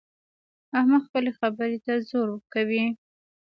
احمد خپلې خبرې ته زور کوي.